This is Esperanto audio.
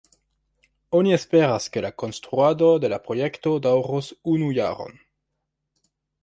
Oni esperas, ke la konstruado de la projekto daŭros unu jaron.